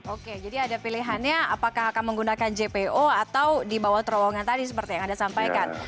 oke jadi ada pilihannya apakah akan menggunakan jpo atau di bawah terowongan tadi seperti yang anda sampaikan